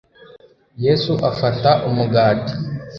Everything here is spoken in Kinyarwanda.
yesu afata umugati